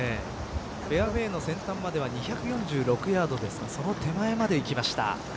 フェアウエーの先端までは２４６ヤードですがその手前までいきました。